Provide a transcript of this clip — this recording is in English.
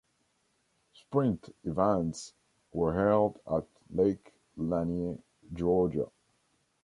Sprint events were held at Lake Lanier, Georgia.